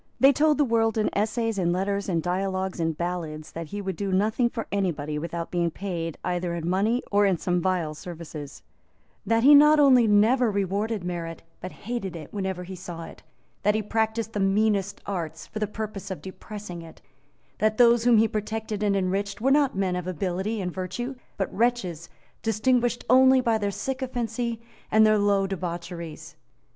They told the world in essays, in letters, in dialogues, in ballads, that he would do nothing for anybody without being paid either in money or in some vile services; that he not only never rewarded merit, but hated it whenever he saw it; that he practised the meanest arts for the purpose of depressing it; that those whom he protected and enriched were not men of ability and virtue, but wretches distinguished only by their sycophancy and their low debaucheries.